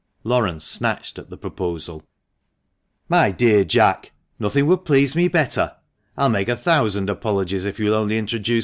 Laurence snatched at the proposal. " My dear Jack, nothing would please me better ! I'll make a thousand apologies, if you'll only introduce me." BY THE PORTICO STEPS.